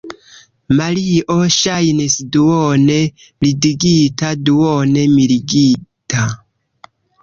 Mario ŝajnis duone ridigita, duone mirigita.